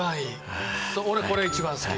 俺これ一番好き。